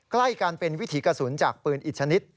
ใกล้กันเป็นวิถีกระสุนจากปืนอีกชนิด